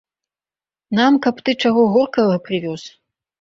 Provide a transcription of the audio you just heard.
Нам каб ты чаго горкага прывёз.